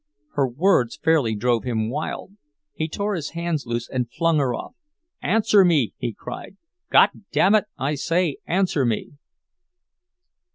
Her words fairly drove him wild. He tore his hands loose, and flung her off. "Answer me," he cried. "God damn it, I say—answer me!"